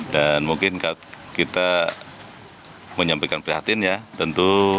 dan mungkin kita menyampaikan prihatin ya tentu